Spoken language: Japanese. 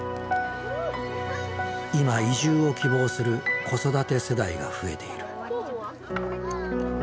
今移住を希望する子育て世代が増えている。